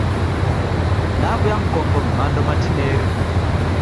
Naw'uya mkongo mando matineri.